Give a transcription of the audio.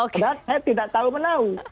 padahal saya tidak tahu menahu